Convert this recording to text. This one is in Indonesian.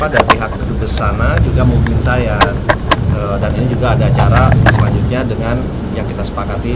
dari pihak kedubes sana juga memimpin saya dan ini juga ada acara selanjutnya dengan yang kita sepakati